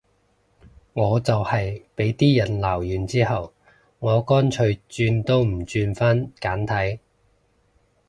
我就係畀啲人鬧完之後，我乾脆轉都唔轉返簡體